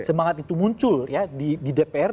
semangat itu muncul ya di dpr